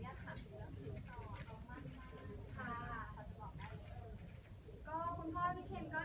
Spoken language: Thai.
อยากถามเรื่องของต่อของบ้านของบ้าน